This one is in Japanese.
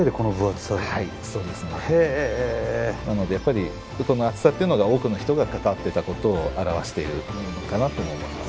なのでやっぱりこの厚さっていうのが多くの人が関わっていたことを表しているのかなとも思います。